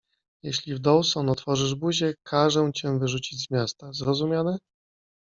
Jeśli w Dawson otworzysz buzię, każę cię wyrzucić z miasta. Zrozumiane?